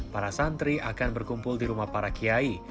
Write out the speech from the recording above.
para santri akan berkumpul di rumah para kiai